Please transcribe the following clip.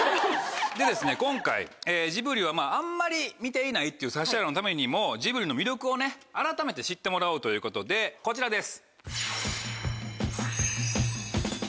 今回ジブリはあんまり見ていないっていう指原のためにもジブリの魅力を改めて知ってもらおうということでこちらです。